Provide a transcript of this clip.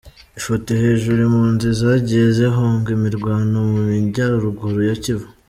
Ifoto hejuru : Impunzi zagiye zihunga imirwano mu majyaruguru ya Kivu.